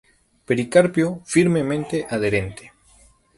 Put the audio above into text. Pericarpio firmemente adherente.